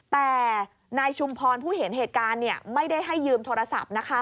แต่นายชุมพรผู้เห็นเหตุการณ์ไม่ได้ให้ยืมโทรศัพท์นะคะ